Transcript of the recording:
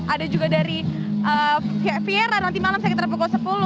ada juga dari viera nanti malam sekitar pukul sepuluh